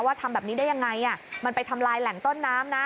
ทำแบบนี้ได้ยังไงมันไปทำลายแหล่งต้นน้ำนะ